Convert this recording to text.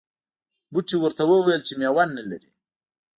بوټي ورته وویل چې میوه نه لرې.